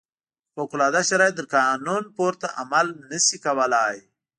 خو فوق العاده شرایط تر قانون پورته عمل نه شي کولای.